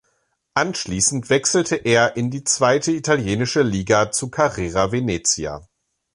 Anschließend wechselte er in die zweite italienische Liga zu Carrera Venezia.